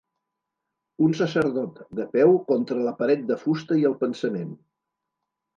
un sacerdot de peu contra la paret de fusta i el pensament